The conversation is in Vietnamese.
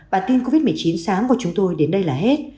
bản tin covid một mươi chín sáng của chúng tôi đến đây là hết